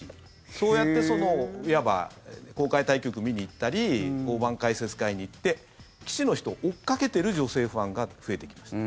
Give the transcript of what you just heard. そうやって、いわば公開対局を見に行ったり大盤解説会に行って棋士の人を追っかけてる女性ファンが増えてきました。